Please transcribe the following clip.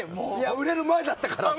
売れる前だったからさ。